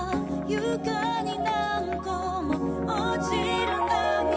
「床に何個も落ちる涙」